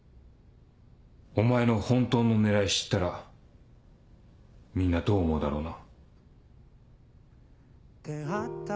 お前の本当の狙い知ったらみんなどう思うだろうな？